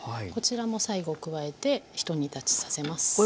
こちらも最後加えてひと煮立ちさせます。